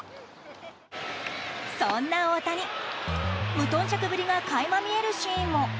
そんな大谷、無頓着ぶりが垣間見えるシーンも。